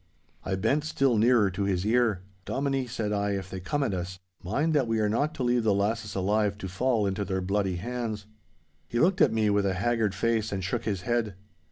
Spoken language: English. I bent still nearer to his ear. 'Dominie,' I said, 'if they come at us, mind that we are not to leave the lasses alive to fall into their bloody hands.' He looked at me with a haggard face and shook his head.